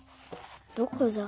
どこだ？